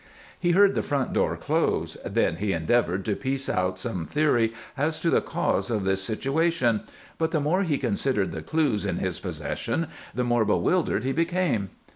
He heard the front door close. Then he endeavored to piece out some theory as to the cause of this situation, but the more he considered the clues in his possession the more bewildered he became.